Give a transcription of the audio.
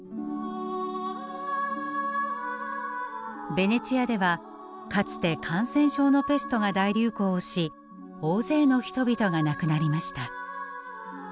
ベネチアではかつて感染症のペストが大流行をし大勢の人々が亡くなりました。